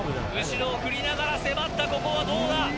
後ろを振りながら迫ったここはどうだ？